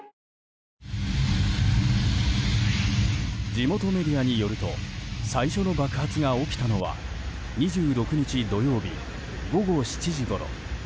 地元メディアによると最初の爆発が起きたのは２６日土曜日、午後７時ごろ。